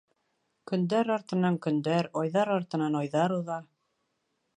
Көндәр артынан көндәр, айҙар артынан айҙар уҙа.